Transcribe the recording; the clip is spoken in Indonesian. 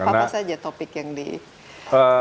apa apa saja topik yang di diskusikan